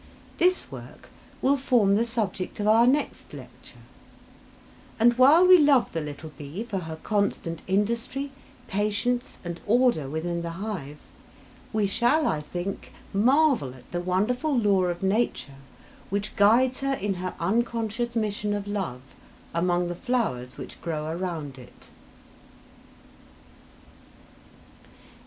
This work will form the subject of our next lecture, and while we love the little bee for her constant industry, patience, and order within the hive, we shall, I think, marvel at the wonderful law of nature which guides her in her unconscious mission of love among the flowers which grow around it.